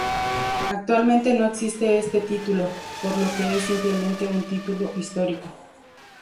Actualmente no existe este título, por lo que es simplemente un título histórico.